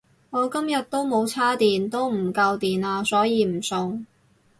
我今日都冇叉電都唔夠電呀所以唔送